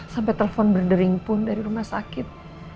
sampai telepon berdering pun dari rumah sakit